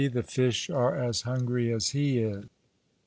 THE FISH ARE AS HUNGRY AS HE IS.